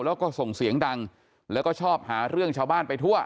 แล้วก็ส่งเสียงดังแล้วก็ชอบหาเรื่องชาวบ้านไปทั่ว